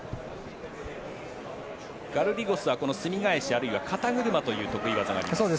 ガルリゴスはこのすみ返しあるいは肩車という得意技があります。